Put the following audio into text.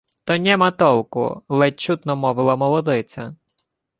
— То нєма толку, — ледь чутно мовила молодиця.